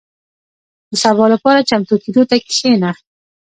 • د سبا لپاره چمتو کېدو ته کښېنه.